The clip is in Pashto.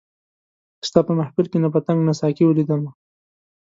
ستا په محفل کي نه پتنګ نه ساقي ولیدمه